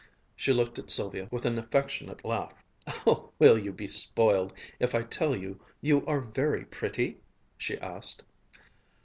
She looked at Sylvia with an affectionate laugh. "Will you be spoiled if I tell you you are very pretty?" she asked.